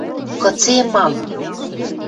– Кыце мам?